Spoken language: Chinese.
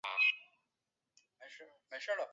两个站厅的收费区均设有楼梯供乘客来往月台。